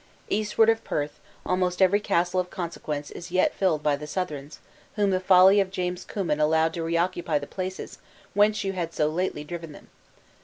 Eastward of Perth, almost every castle of consequence is yet filled by the Southrons, whom the folly of James Cummin allowed to reoccupy the places whence you had so lately driven them.